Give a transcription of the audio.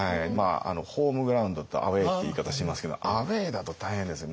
ホームグラウンドとアウェーって言い方しますけどアウェーだと大変ですよ。